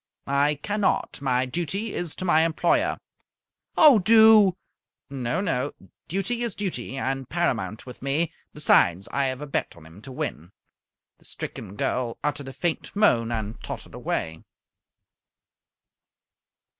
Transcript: "I cannot. My duty is to my employer." "Oh, do!" "No, no. Duty is duty, and paramount with me. Besides, I have a bet on him to win." The stricken girl uttered a faint moan, and tottered away.